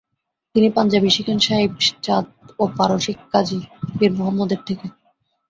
তিনি পাঞ্জাবি শিখেন সাহিব চাঁদ, ও পারসিক কাজী পীর মুহাম্মদের থেকে।